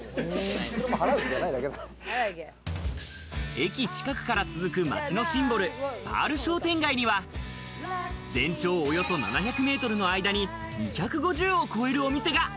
駅近くから続く街のシンボル・パール商店街には全長およそ７００メートルの間に２５０を超えるお店が。